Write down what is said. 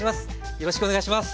よろしくお願いします。